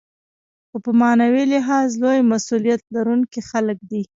خو په معنوي لحاظ لوی مسوولیت لرونکي خلک دي.